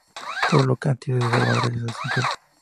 Sólo Katie se salva, gracias a su altura.